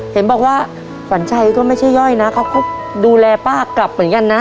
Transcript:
เห็นบอกว่าขวัญชัยก็ไม่ใช่ย่อยนะเขาก็ดูแลป้ากลับเหมือนกันนะ